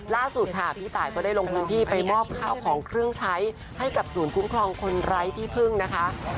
ล่าสุดค่ะพี่ตายก็ได้ลงพื้นที่ไปมอบข้าวของเครื่องใช้ให้กับศูนย์คุ้มครองคนไร้ที่พึ่งนะคะ